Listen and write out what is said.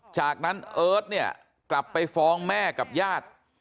จากนั้นเอิร์ทเนี่ยกลับไปฟ้องแม่กับญาติ